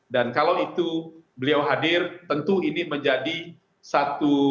dan kalau itu beliau hadir tentu ini menjadi satu tambahan yang penting sekali dalam